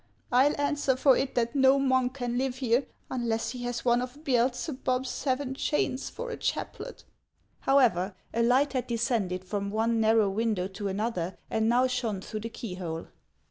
I '11 answer for it that no uiouk can live here, unless he has one of Beelzebub's seven chains for a chaplet." However, a light had descended from one narrow win dow to another, and now shone through the key hole.